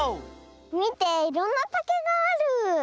みていろんなたけがある。